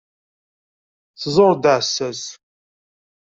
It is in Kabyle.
Tẓur-d aɛessas.